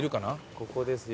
ここですよ。